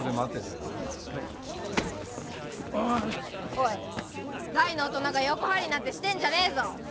おい大の大人が横入りなんてしてんじゃねぇぞ。